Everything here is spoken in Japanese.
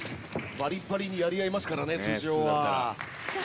バリバリにやり合いますからね通常は。